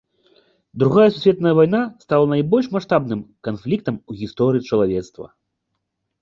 Другая сусветная вайна стала найбольш маштабным канфліктам у гісторыі чалавецтва.